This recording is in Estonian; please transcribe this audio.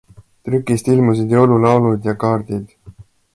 Trükist ilmusid jõululaulud ja -kaardid.